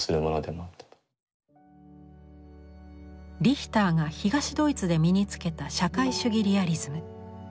リヒターが東ドイツで身につけた社会主義リアリズム。